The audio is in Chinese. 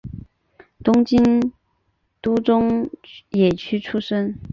东京都中野区出生。